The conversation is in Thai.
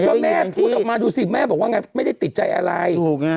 เพราะแม่พูดออกมาดูสิแม่บอกว่าไงไม่ได้ติดใจอะไรถูกไหม